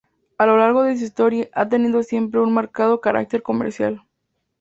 A lo largo de su historia ha tenido siempre un marcado carácter comercial.